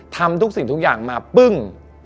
ทำทุกสิ่งทุกอย่างมาปึ้ง